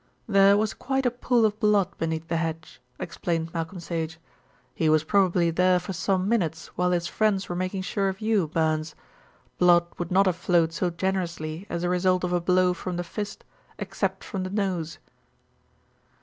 "There was quite a pool of blood beneath the hedge," explained Malcolm Sage. "He was probably there for some minutes while his friends were making sure of you, Burns. Blood would not have flowed so generously as a result of a blow from the fist except from the nose."